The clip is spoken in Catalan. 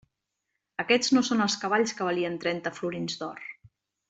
Aquests no són els cavalls que valien trenta florins d'or!